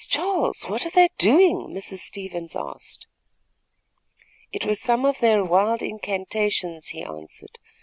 Charles! what were they doing?" Mrs. Stevens asked. "It was some of their wild incantations," he answered.